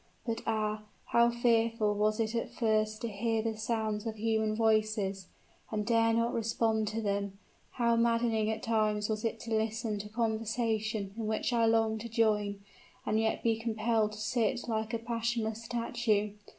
But, ah! how fearful was it at first to hear the sounds of human voices, and dare not respond to them; how maddening at times was it to listen to conversation in which I longed to join, and yet be compelled to sit like a passionless statue!